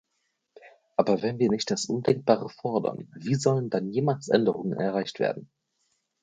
Aber wenn wir nicht das Undenkbare fordern, wie sollen dann jemals Änderungen erreicht werden?